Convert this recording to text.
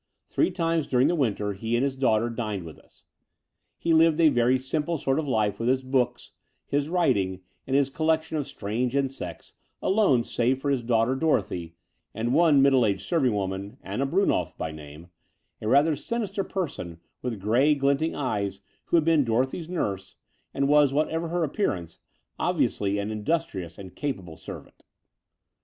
Three times during the winter he and his daughter dined with us. He lived a very simple sort of life with his books, his writing, and his collection of strange insects, alone save for his daughter, Dorothy, and one middle aged serving woman, Anna Brunnolf by name, a rather sinister person with grey glinting eyes who had been Dorothy's nurse and was, whatever her appearance, obviously an industrious and capable servant.